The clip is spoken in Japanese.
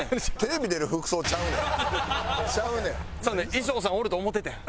衣装さんおると思うててん。